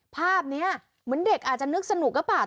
ภาพนี้เหมือนเด็กอาจจะนึกสนุกหรือเปล่า